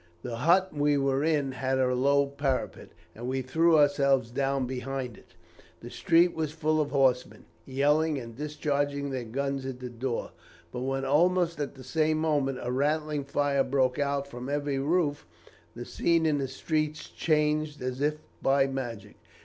"The hut we were in had a low parapet, and we threw ourselves down behind it. The street was full of horsemen, yelling and discharging their guns at the doors; but when, almost at the same moment, a rattling fire broke out from every roof, the scene in the street changed as if by magic.